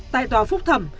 tài tòa phúc thẩm